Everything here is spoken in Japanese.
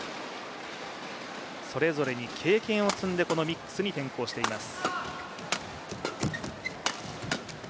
それぞれに経験を積んでこのミックスに転向しています。